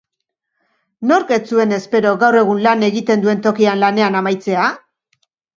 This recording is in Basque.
Nork ez zuen espero gaur egun lan egiten duen tokian lanean amaitzea?